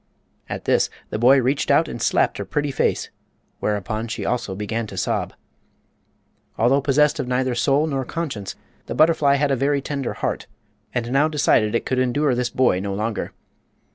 At this the boy reached out and slapped her pretty face, whereupon she also began to sob. Although possessed of neither soul nor conscience, the butterfly had a very tender heart, and now decided it could endure this boy no longer.